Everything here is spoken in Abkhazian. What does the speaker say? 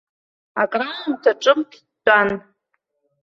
Акраамҭа ҿымҭ дтәан.